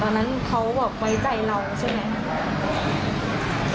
แต่ตอนนั้นเขาแบบไว้ใจเราใช่ไหมครับ